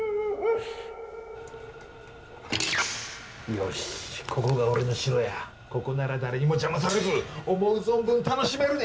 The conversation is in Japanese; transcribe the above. よし、ここが俺の城や、ここなら誰にも邪魔されず、思う存分楽しめるで。